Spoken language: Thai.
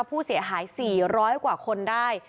ผู้เสียหาย๔๐๐กว่าคนได้